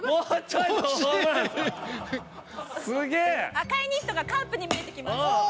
赤いニットがカープに見えてきましたおお！